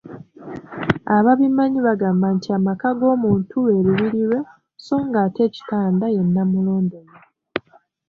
Ababimanyi bagamba nti amaka g‘omuntu lwe Lubiri lwe so ng‘ate ekitanda ye Nnamulondoye.